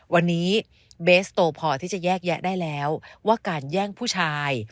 วันนี้เบสโตพอที่จะแยกแยะได้แล้วว่าการแย่งผู้ชาย